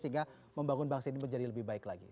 sehingga membangun bangsa ini menjadi lebih baik lagi